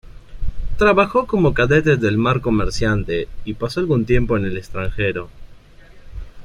Trabajó como cadete del mar comerciante y pasó algún tiempo en el extranjero.